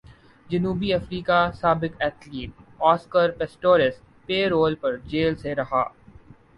جنوبی افریقہ سابق ایتھلیٹ اسکر پسٹوریس پیرول پر جیل سے رہا